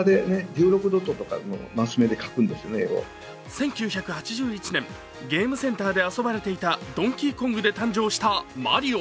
１９８１年、ゲームセンターで遊ばれていた「ドンキーコング」で誕生したマリオ。